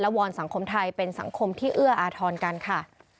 วอนสังคมไทยเป็นสังคมที่เอื้ออาทรกันค่ะ